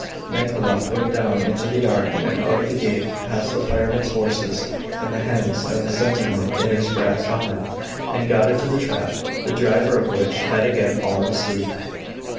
Nekhludoff went down into the yard and out of the gate past the firemen's horses and the hens and the sentinel in his brass helmet, and got into the trap, the driver of which had again fallen asleep.